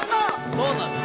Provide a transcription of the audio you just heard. そうなんです。